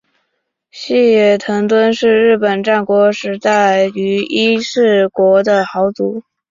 细野藤敦是日本战国时代于伊势国的豪族。